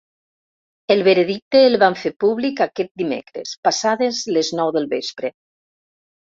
El veredicte el van fer públic aquest dimecres, passades les nou del vespre.